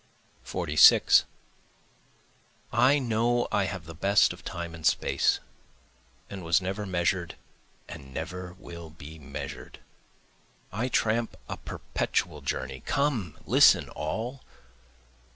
46 I know I have the best of time and space, and was never measured and never will be measured. I tramp a perpetual journey, (come listen all!)